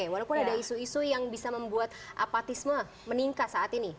walaupun ada isu isu yang bisa membuat apatisme meningkat saat ini